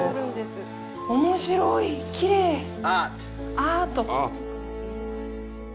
アート。